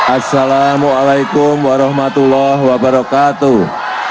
assalamu'alaikum warahmatullahi wabarakatuh